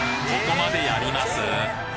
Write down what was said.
ここまでやります？